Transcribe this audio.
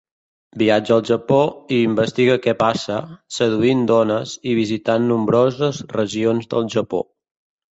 Viatja al Japó, i investiga què passa, seduint dones i visitant nombroses regions del Japó.